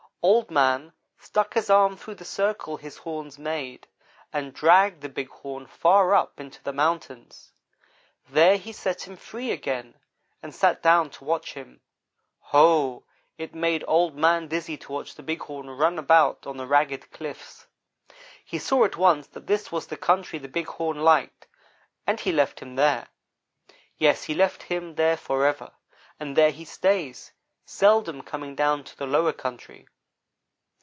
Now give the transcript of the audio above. Old man stuck his arm through the circle his horns made, and dragged the Big Horn far up into the mountains. There he set him free again, and sat down to watch him. Ho! It made Old man dizzy to watch the Big Horn run about on the ragged cliffs. He saw at once that this was the country the Big Horn liked, and he left him there. Yes, he left him there forever, and there he stays, seldom coming down to the lower country.